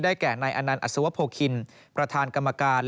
ได้แก่นายอนันด์อสวพโภคินประธานกรรมการ